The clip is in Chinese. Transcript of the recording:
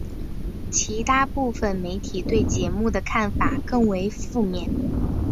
其它部分媒体对节目的看法更为负面。